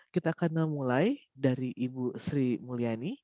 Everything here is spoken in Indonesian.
kita akan mulai dari ibu sri mulyani